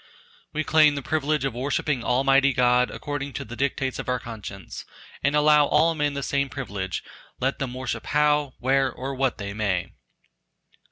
We claim the privilege of worshipping Almighty God according to the dictates of our conscience, and allow all men the same privilege let them worship how, where, or what they may.